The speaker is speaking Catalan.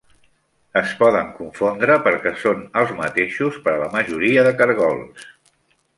Es poden confondre perquè són els mateixos per a la majoria de cargols.